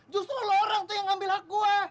justru lo orang tuh yang ambil hak gua